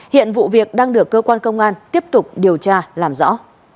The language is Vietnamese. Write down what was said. hiện vụ việc đang được cơ quan công an tiếp tục điều tra làm rõ